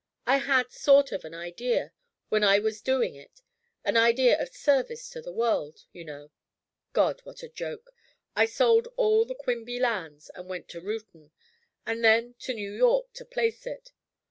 I had sort of an idea, when I was doing it an idea of service to the world you know. God, what a joke! I sold all the Quimby lands, and went to Reuton, and then to New York, to place it.